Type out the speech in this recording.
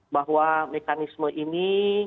bahwa mekanisme ini